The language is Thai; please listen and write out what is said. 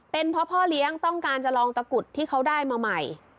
เป็นเพราะพ่อเลี้ยงต้องการจะลองตะกุดที่เขาได้มาใหม่